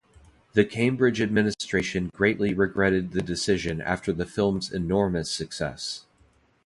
The Cambridge administration greatly regretted the decision after the film's enormous success.